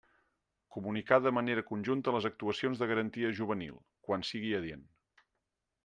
Comunicar de manera conjunta les actuacions de garantia juvenil, quan sigui adient.